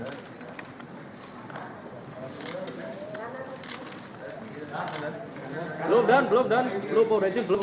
belum dan belum dan belum